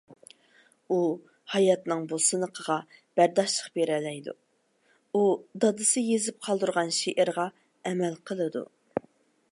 ئۇ ھاياتنىڭ بۇ سىنىقىغا بەرداشلىق بېرەلەيدۇ. ئۇ دادىسى يېزىپ قالدۇرغان شېئىرغا ئەمەل قىلىدۇ